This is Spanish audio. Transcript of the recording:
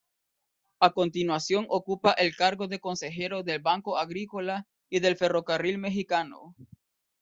A continuación ocupa el cargo de Consejero del "Banco Agrícola" y del Ferrocarril Mexicano.